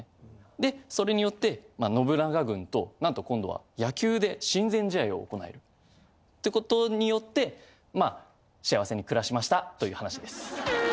でそれによって信長軍となんと今度は野球で親善試合を行えるってことによって幸せに暮らしましたという話です。